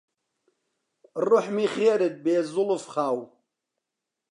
روحمی خێرت بێ زولف خاو